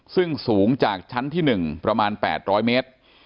ซึ่งสูงจากชั้นที่๑ประมาณ๘๐๐เมตร